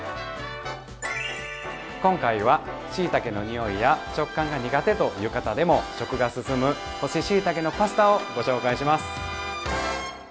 今回はしいたけの匂いや食感が苦手という方でも食が進む干ししいたけのパスタをご紹介します。